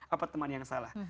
atau teman yang salah